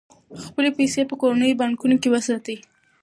خپلې پيسې په کورنیو بانکونو کې وساتئ.